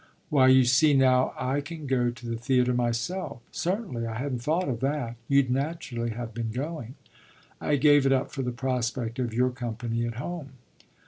"Why you see now I can go to the theatre myself." "Certainly; I hadn't thought of that. You'd naturally have been going." "I gave it up for the prospect of your company at home."